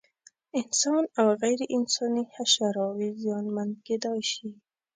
انسان او غیر انساني حشراوې زیانمن کېدای شي.